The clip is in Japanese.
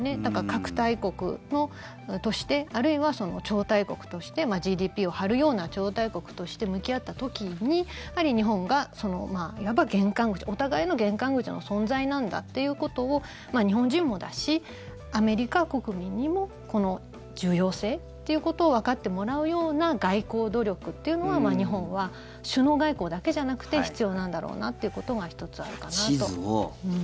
核大国としてあるいは超大国としてＧＤＰを張るような超大国として向き合った時に日本が玄関口、お互いの玄関口の存在なんだっていうことを日本人もだし、アメリカ国民にもこの重要性ということをわかってもらうような外交努力というのは日本は首脳外交だけじゃなくて必要なんだろうなということが１つあるかなと。